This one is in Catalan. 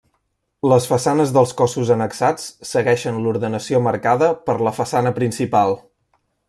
Les façanes dels cossos annexats, segueixen l’ordenació marcada per la façana principal.